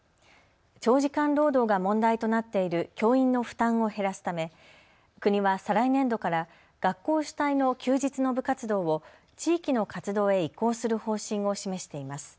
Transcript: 長時間労働が問題となっている教員の負担を減らすため国は再来年度から学校主体の休日の部活動を地域の活動へ移行する方針を示しています。